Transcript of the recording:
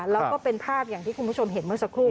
แล้วก็เป็นภาพอย่างที่คุณผู้ชมเห็นเมื่อสักครู่